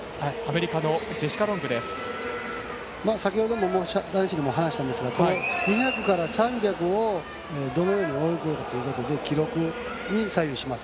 先ほど男子でも話したんですが２００から３００をどのように泳ぐかというところで記録に左右します。